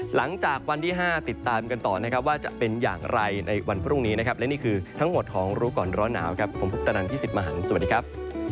หลังจากวันที่๕ติดตามกันต่อนะครับว่าจะเป็นอย่างไรในวันพรุ่งนี้นะครับและนี่คือทั้งหมดของรู้ก่อนร้อนหนาวครับผมพุทธนันพี่สิทธิ์มหันฯสวัสดีครับ